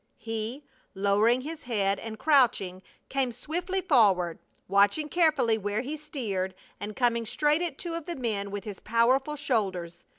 He, lowering his head and crouching, came swiftly forward, watching carefully where he steered, and coming straight at two of the men with his powerful shoulders.